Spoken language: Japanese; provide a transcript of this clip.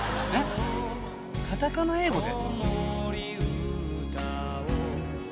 カタカナ英語で？